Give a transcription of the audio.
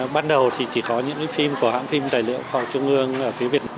ban đầu thì chỉ có những phim của hãng phim tài liệu khoa học trung ương ở phía việt nam